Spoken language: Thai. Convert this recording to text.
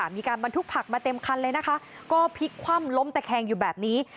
มีการบรรทุกผักมาเต็มคันเลยนะคะก็พลิกคว่ำล้มตะแคงอยู่แบบนี้